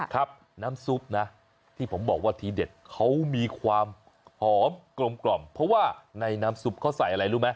ครับน้ำซุปนะที่ผมบอกว่าทีเด็ดเขามีความหอมกลมเพราะว่าในน้ำซุปเขาใส่อะไรรู้ไหม